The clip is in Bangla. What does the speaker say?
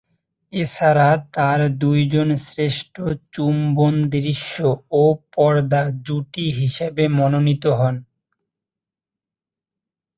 এছাড়া তার দুইজন শ্রেষ্ঠ চুম্বন-দৃশ্য ও পর্দা জুটি হিসেবে মনোনীত হন।